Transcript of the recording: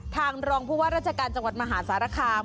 ทางรองผู้ว่าราชการจังหวัดมหาสารคาม